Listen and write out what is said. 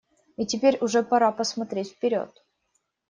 И теперь уже пора посмотреть вперед.